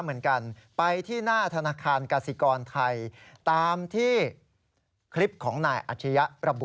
ฮ่าฮ่าฮ่าฮ่าฮ่าฮ่าฮ่าฮ่าฮ่า